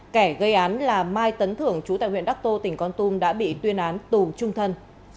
kẻ gây án là mai tấn thưởng chú tại huyện đắc tô tỉnh con tum đã bị tuyên án tù trung thân